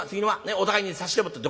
お互いに差しでもって。